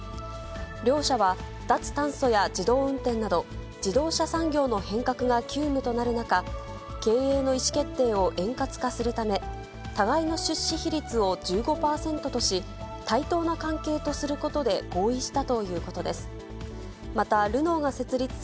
両社は脱炭素や自動運転など、自動車産業の変革が急務となる中、経営の意思決定を円滑化するため、互いの出資比率を１５％とし、対等な関係とすることで合意したということです。